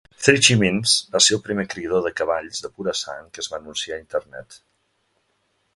Three Chimneys va ser el primer criador de cavalls de pura sang que es va anunciar a internet.